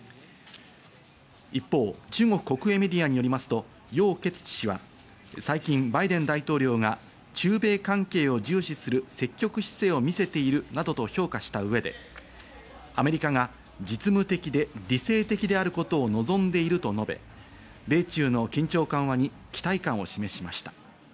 一方、中国国営メディアによりますとヨウ・ケツチ氏は、最近、バイデン大統領が中米関係を重視する積極姿勢を見せているなどと評価した上でアメリカが実務的で理性的であることを望んでいると述べ、米中の緊張緩和に期待感を示しました。